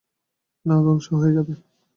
না ধ্বংস হয়ে যাবে?